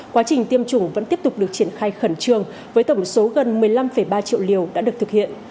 quá trình tiêm chủng vẫn tiếp tục được triển khai khẩn trương với tổng số gần một mươi năm ba triệu liều đã được thực hiện